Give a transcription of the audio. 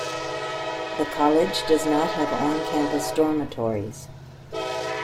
The college does not have on-campus dormitories.